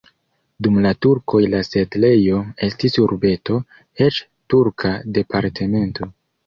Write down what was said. Dum la turkoj la setlejo estis urbeto, eĉ turka departemento.